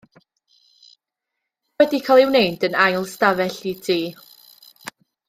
Mae wedi cael ei wneud yn ail stafell i ti.